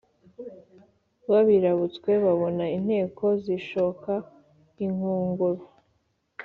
babirabutswe babona inteko zishoka inkungugu